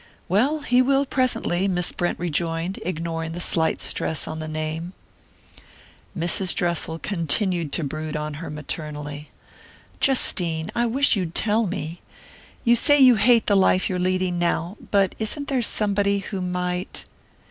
"Well, he will presently," Miss Brent rejoined, ignoring the slight stress on the name. Mrs. Dressel continued to brood on her maternally. "Justine I wish you'd tell me! You say you hate the life you're leading now but isn't there somebody who might